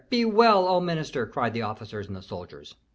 be well, O minister!" cried the officers and the soldiers.